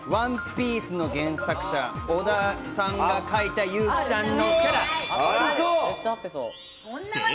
『ＯＮＥＰＩＥＣＥ』の原作者・尾田さんが描いた優木さんの。